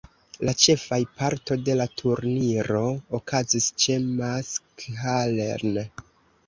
La ĉefaj parto de la turniro okazis ĉe Mackhallen.